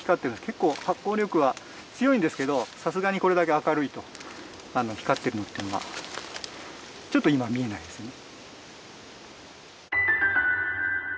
結構発光力は強いんですけどさすがにこれだけ明るいと光ってるっていうのがちょっと今見えないですね。